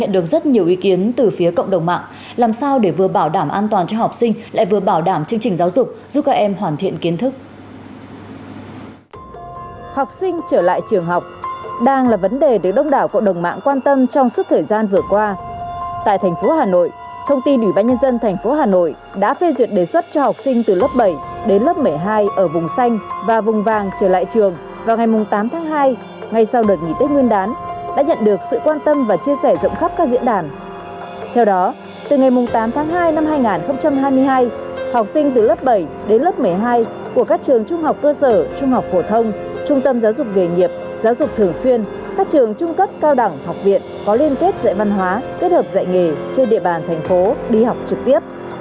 học sinh từ lớp bảy đến lớp một mươi hai của các trường trung học cơ sở trung học phổ thông trung tâm giáo dục nghề nghiệp giáo dục thường xuyên các trường trung cấp cao đẳng học viện có liên kết dạy văn hóa kết hợp dạy nghề trên địa bàn thành phố đi học trực tiếp